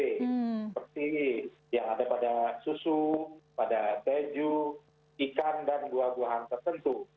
seperti yang ada pada susu pada beju ikan dan dua buah tertentu